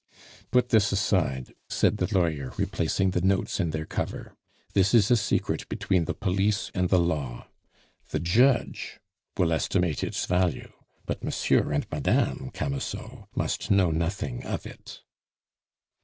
"Put this aside," said the lawyer, replacing the notes in their cover; "this is a secret between the police and the law. The judge will estimate its value, but Monsieur and Madame Camusot must know nothing of it."